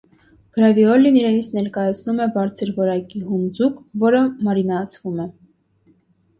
Գրաավիլոհին իրենից ներկայացնում է բարձր որակի հում ձուկ, որը մարինացվում է։